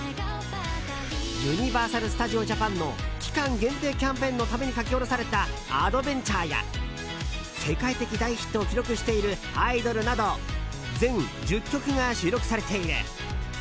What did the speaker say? ユニバーサル・スタジオ・ジャパンの期間限定キャンペーンのために書き下ろされた「アドベンチャー」や世界的大ヒットを記録している「アイドル」など全１０曲が収録されている。